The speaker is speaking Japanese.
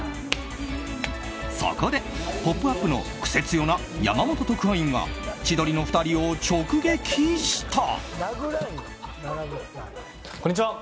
そこで、「ポップＵＰ！」のクセツヨな山本特派員が千鳥の２人を直撃した。